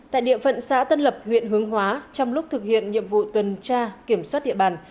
tại địa phận xã tân lập huyện hướng hóa trong lúc thực hiện nhiệm vụ tuần tra kiểm soát địa bàn